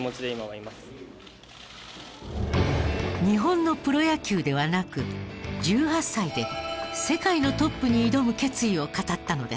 日本のプロ野球ではなく１８歳で世界のトップに挑む決意を語ったのです。